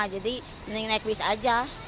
jadi mending naik bis aja